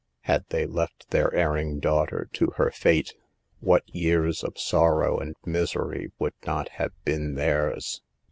Had they left their erring daughter to her fate, what years of sorrow and misery would not have been theirs